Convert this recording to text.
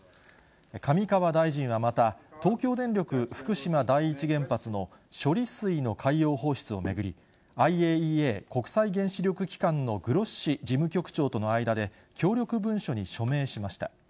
上川大臣はまた、東京電力福島第一原発の処理水の海洋放出を巡り、ＩＡＥＡ・国際原子力機関のグロッシ事務局長との間で、協力文書に署名しました。